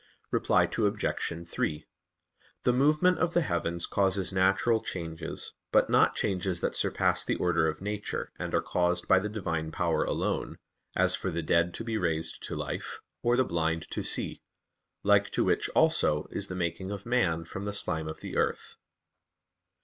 Reply Obj. 3: The movement of the heavens causes natural changes; but not changes that surpass the order of nature, and are caused by the Divine Power alone, as for the dead to be raised to life, or the blind to see: like to which also is the making of man from the slime of the earth.